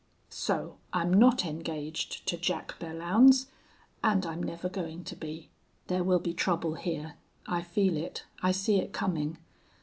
"So I'm not engaged to Jack Belllounds, and I'm never going to be. There will be trouble here. I feel it. I see it coming.